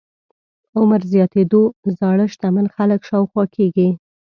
عمر زياتېدو زاړه شتمن خلک شاوخوا کېږي.